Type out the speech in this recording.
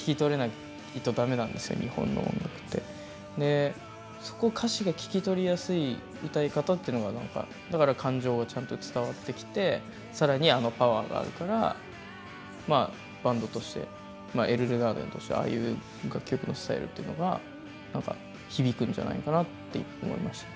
でそこを歌詞が聞き取りやすい歌い方ってのがなんかだから感情はちゃんと伝わってきて更にあのパワーがあるからまあバンドとしてＥＬＬＥＧＡＲＤＥＮとしてああいう楽曲のスタイルっていうのがなんか響くんじゃないのかなって思いました。